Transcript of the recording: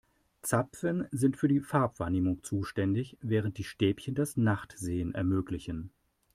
Zapfen sind für die Farbwahrnehmung zuständig, während die Stäbchen das Nachtsehen ermöglichen.